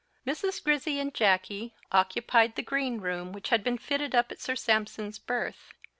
Misses Grizzy and Jacky occupied the green room which had been fitted up at Sir Sampson's birth.